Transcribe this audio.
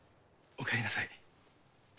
おかえりなさい。